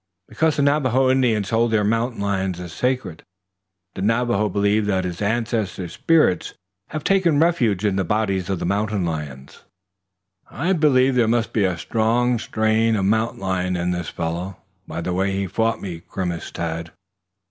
"Because the Navajo Indians hold the mountain lion as sacred. The Navajo believes that his ancestors' spirits have taken refuge in the bodies of the mountain lions." "I believe there must be a strong strain of mountain lion in this fellow, by the way he fought me," grimaced Tad.